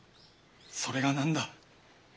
それが何だ。